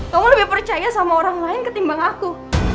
kamu lebih percaya sama orang lain ketimbang aku